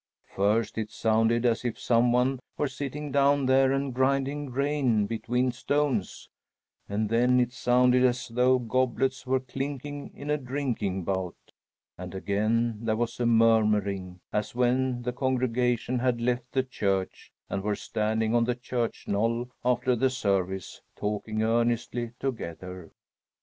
First, it sounded as if some one were sitting down there and grinding grain between stones, and then it sounded as though goblets were clinking in a drinking bout; and again there was a murmuring, as when the congregation had left the church and were standing on the church knoll after the service, talking earnestly together.